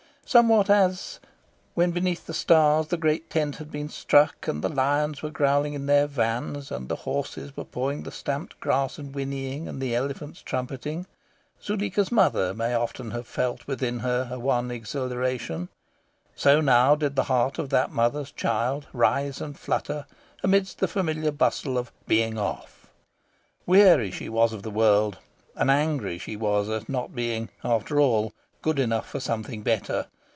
Somewhat as, when beneath the stars the great tent had been struck, and the lions were growling in their vans, and the horses were pawing the stamped grass and whinnying, and the elephants trumpeting, Zuleika's mother may often have felt within her a wan exhilaration, so now did the heart of that mother's child rise and flutter amidst the familiar bustle of "being off." Weary she was of the world, and angry she was at not being, after all, good enough for something better.